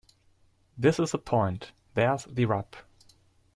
This is the point. There's the rub.